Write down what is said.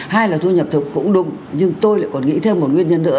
hai là thu nhập thực cũng đúng nhưng tôi lại còn nghĩ thêm một nguyên nhân nữa